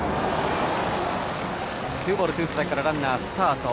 ツーボールツーストライクからランナースタート。